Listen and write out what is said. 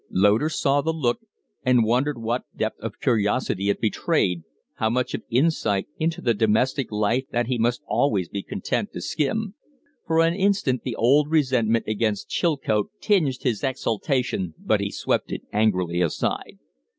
Loder saw the look and wondered what depth of curiosity it betrayed, how much of insight into the domestic life that he must always be content to skim. For an instant the old resentment against Chilcote tinged his exaltation, but he swept it angrily aside.